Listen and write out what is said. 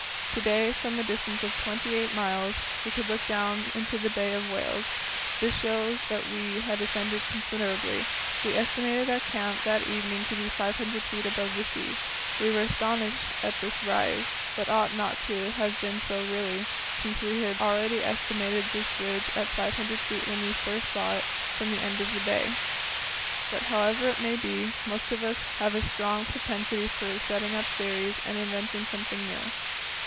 To day, from a distance of twenty eight miles, we could look down into the Bay of Whales; this shows that we had ascended considerably. We estimated our camp that evening to be 500 feet above the sea. We were astonished at this rise, but ought not to have been so really, since we had already estimated this ridge at 500 feet when we first saw it from the end of the bay. But however it may be, most of us have a strong propensity for setting up theories and inventing something new.